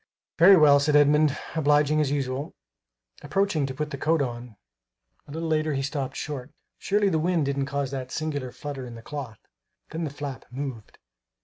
"Very well," said Edmund, obliging as usual. Approaching to put the coat on, a little later, he stopped short. Surely the wind didn't cause that singular flutter in the cloth! Then the flap moved.